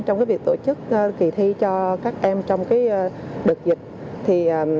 trong việc tổ chức kỳ thi cho các em trong đợt dịch